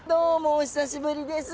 お久しぶりです。